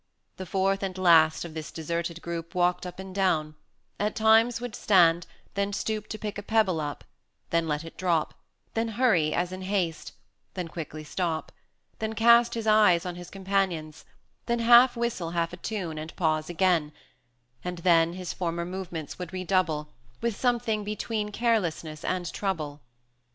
The fourth and last of this deserted group Walked up and down at times would stand, then stoop 110 To pick a pebble up then let it drop Then hurry as in haste then quickly stop Then cast his eyes on his companions then Half whistle half a tune, and pause again And then his former movements would redouble, With something between carelessness and trouble.